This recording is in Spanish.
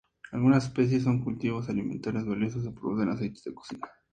Algunas especies son cultivos alimentarios valiosos o producen aceites de cocina.